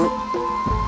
baik gusti ratu